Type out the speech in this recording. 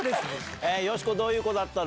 よしこ、どういう子だったの。